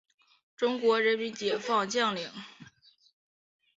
中国人民解放军将领。